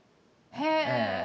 へえ！